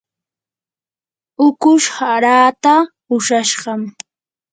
ukush haraata ushashqam.